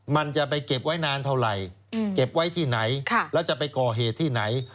มันจะไปเก็บไว้นานเท่าไหร่เก็บไว้ที่ไหนแล้วจะไปก่อเหตุที่ไหน